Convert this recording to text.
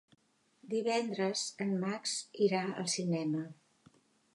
Divendres en Max irà al cinema.